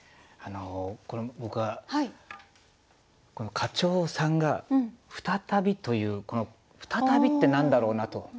僕は課長さんが「ふたたび」というこの「ふたたび」って何だろうなと。